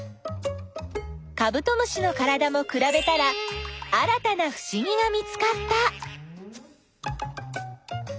カブトムシのからだもくらべたら新たなふしぎが見つかった。